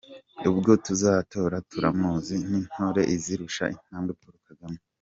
ubwo tuzatora turamuzi, n’intore izirusha intambwe, Paul kagame.